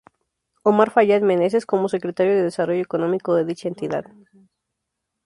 Omar Fayad Meneses, como Secretario de Desarrollo Económico de dicha entidad.